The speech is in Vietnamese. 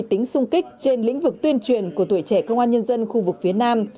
tính sung kích trên lĩnh vực tuyên truyền của tuổi trẻ công an nhân dân khu vực phía nam